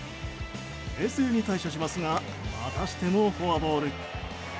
冷静に対処しますがまたしてもフォアボール。